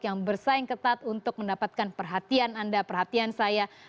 yang bersaing ketat untuk mendapatkan perhatian anda perhatian saya